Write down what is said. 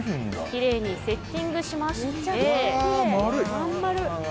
きれいにセッティングしまして。